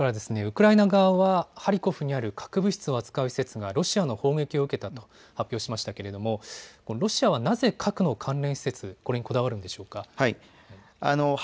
それからウクライナ側はハリコフにある核物質を扱う施設がロシアの砲撃を受けたと発表しましたけれどもロシアはなぜ核の関連施設、これにこだわるのでしょうか。